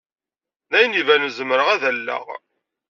D ayen ibanen zemreɣ ad alleɣ.